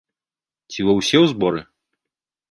Ці вы ўсе у зборы?